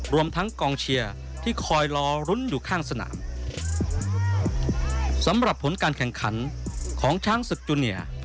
รวมทั้งกองเชียร์ที่คอยรอรุ้นอยู่ข้างสนามสำหรับผลการแข่งขันของช้างศึกจูเนีย